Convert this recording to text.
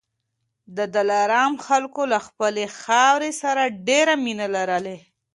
د دلارام خلک له خپلي خاورې سره ډېره مینه لري.